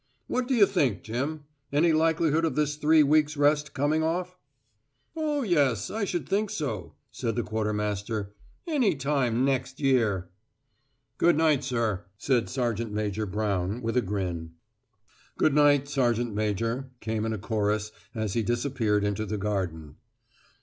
"What do you think, Jim? Any likelihood of this three weeks' rest coming off?" "Oh, yes; I should think so," said the quartermaster. "Any time next year." "Good night, sir," said Sergeant Major Brown, with a grin. "Good night, Sergeant Major," came in a chorus as he disappeared into the garden.